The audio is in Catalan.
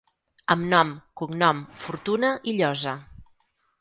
Amb nom, cognom, fortuna i llosa.